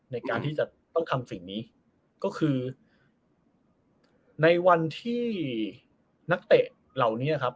ในการที่จะต้องทำสิ่งนี้ก็คือในวันที่นักเตะเหล่านี้ครับ